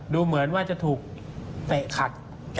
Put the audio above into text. ดูเหมือนว่าจะถูกเตะขัด